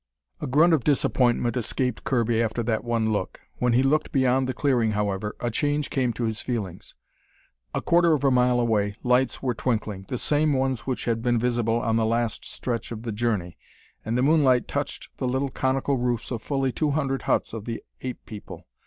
A grunt of disappointment escaped Kirby after that one look. When he looked beyond the clearing, however, a change came to his feelings. A quarter of a mile away, lights were twinkling the same ones which had been visible on the last stretch of the journey. And the moonlight touched the little conical roofs of fully two hundred huts of the ape people.